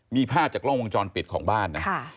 มีภาพจากกล้องวงจรปิดของบ้านนะ